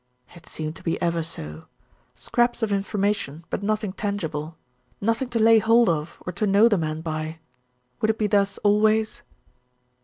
It seemed to be ever so! Scraps of information, but nothing tangible. Nothing to lay hold of, or to know the man by. Would it be thus always?